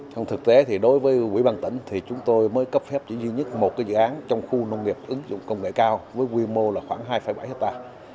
trong thực tế thì đối với quỹ băng tỉnh thì chúng tôi mới cấp phép chỉ duy nhất một dự án trong khu nông nghiệp ứng dụng công nghệ cao với quy mô là khoảng hai bảy hectare